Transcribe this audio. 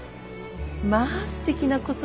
まあすてきな小袖。